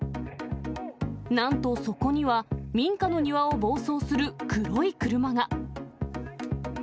なんと、そこには民家の庭を暴走する黒い車が。